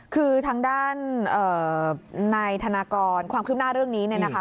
คือทางด้านนายธนากรความคืบหน้าเรื่องนี้เนี่ยนะคะ